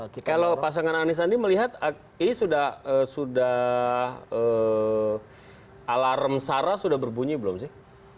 kalau pasangan anies sandi melihat ini sudah alarm sarah sudah berbunyi belum sih